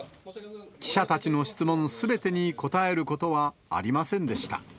記者たちの質問すべてに答えることはありませんでした。